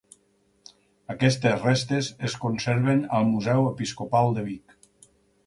Aquestes restes es conserven al Museu Episcopal de Vic.